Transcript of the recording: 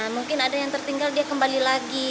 mungkin ada yang tertinggal dia kembali lagi